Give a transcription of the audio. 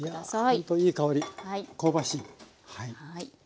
ほんといい香り香ばしい。